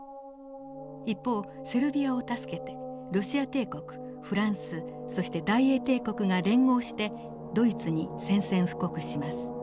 一方セルビアを助けてロシア帝国フランスそして大英帝国が連合してドイツに宣戦布告します。